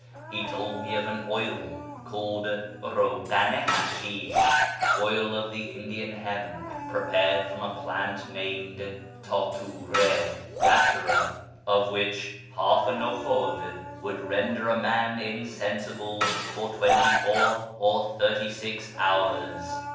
He told me of an oil called PMivghan i HasMsh (" Oil of Indian Hemp "), prepared from a plant named TdturS (? Datura), of which half a nohlmcl would render a man in sensible for twenty four or thirty six hours.